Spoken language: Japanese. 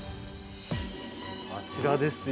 ◆あちらですよ。